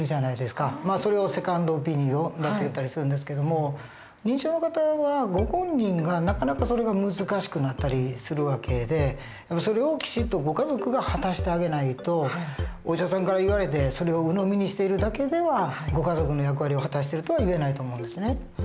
それをセカンドオピニオンっていったりするんですけども認知症の方はご本人がなかなかそれが難しくなったりする訳でそれをきちっとご家族が果たしてあげないとお医者さんから言われてそれをうのみにしているだけではご家族の役割を果たしてるとはいえないと思うんですね。